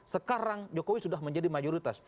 sekarang jokowi sudah menjadi mayoritas